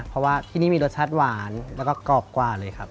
เพราะว่าที่นี่มีรสชาติหวานแล้วก็กรอบกว่าเลยครับ